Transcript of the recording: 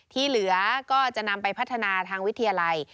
ที่เหลือก็จะนำไปพัฒนาทางวิทยาลัย